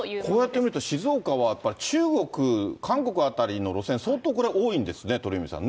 こうやって見ると、静岡はやっぱり中国、韓国辺りの路線、相当これ、多いんですね。